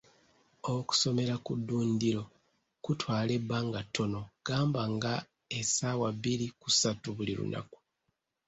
Okusomera ku ddundiro kutwala ebbanga ttono gamba nga essaawa bbiri ku ssatu buli lunaku.